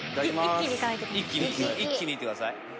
一気にいってください。